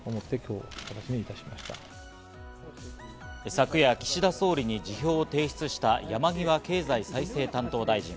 昨夜、岸田総理に辞表を提出した、山際経済再生担当大臣。